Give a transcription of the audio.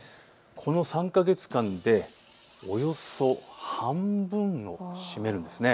この３か月間でおよそ半分を占めるんです。